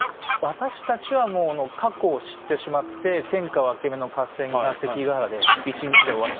私たちはもう過去を知ってしまって天下分け目の合戦が関ヶ原で１日で終わっちゃったっていう。